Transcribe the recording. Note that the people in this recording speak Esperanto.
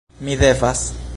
Mi devas...